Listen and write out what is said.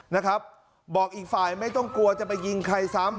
นะครับบอกอีกฝ่ายไม่ต้องกลัวจะไปยิงใครซ้ำ